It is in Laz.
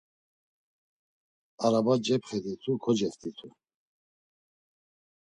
Araba cepxeditu koceft̆itu.